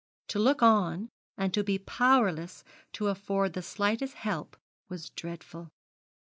To look on, and to be powerless to afford the slightest help was dreadful.